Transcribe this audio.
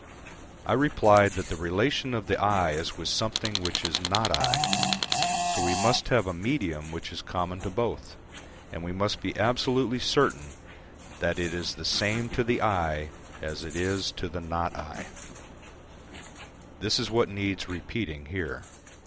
I replied that the relation of the "I" is with something which is "not I." So we must have a medium which is common to both, and we must be absolutely certain that it is the same to the "I" as it is to the "not I." This is what needs repeating here.